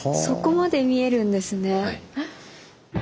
そこまで見えるんですね。